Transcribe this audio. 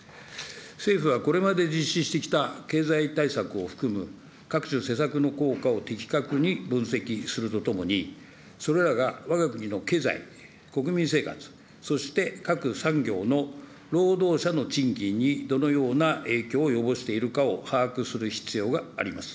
政府はこれまで実施してきた経済対策を含む、各種施策の効果を的確に分析するとともに、それらがわが国の経済、国民生活、そして各産業の労働者の賃金にどのような影響を及ぼしているかを把握する必要があります。